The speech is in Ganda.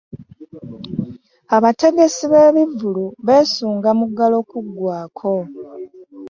Abategesi b'ebivvulu beesunga muggalo kugwaako.